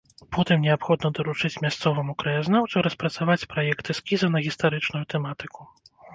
Потым неабходна даручыць мясцоваму краязнаўцу распрацаваць праект эскіза на гістарычную тэматыку.